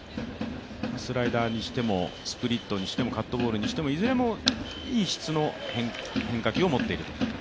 スライダーにしてもスプリットにしてもカットボールにしてもいずれもいい質の変化球を持っていると。